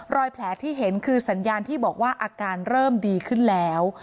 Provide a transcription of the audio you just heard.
รอยแผลที่เห็นคือสัญญาณที่บอกว่าอาการเริ่มดีขึ้นแล้ว